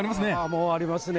もうありますね。